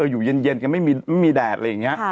อยู่เย็นกันไม่มีไม่มีแดดเหละนี่